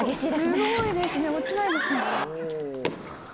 すごいですね、落ちないですね。